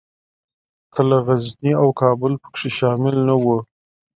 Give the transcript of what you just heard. کله غزني او کابل پکښې شامل نه وو.